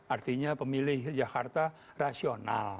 artinya pemilih jakarta rasional